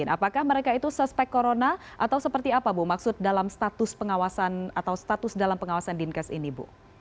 apakah mereka itu suspek corona atau seperti apa bu maksud dalam status pengawasan atau status dalam pengawasan dinkes ini bu